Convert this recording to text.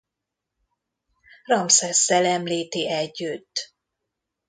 Ramszesszel említi együtt.